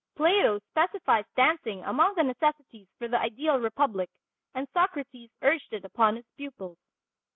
Plato specifies dancing among the necessities for the ideal republic, and Socrates urged it upon his pupils.